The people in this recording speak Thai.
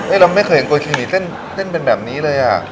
เราไม่เคยเห็นโกชิหมีเส้นเป็นแบบนี้เลยอ่ะ